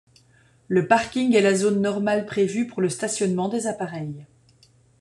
Le parking est la zone normale prévue pour le stationnement des appareils.